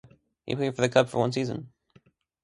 He played for the club for one season.